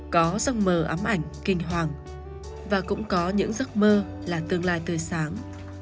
có giấc mơ ấm ảnh kinh hoàng và cũng có những giấc mơ là tương lai tươi sáng